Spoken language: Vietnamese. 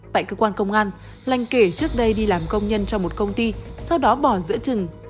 tại cơ quan công an lanh kể trước đây đi làm công nhân cho một công ty sau đó bỏ giữa trừng